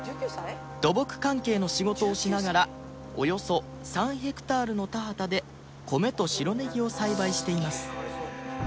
土木関係の仕事をしながらおよそ３ヘクタールの田畑で米と白ネギを栽培しています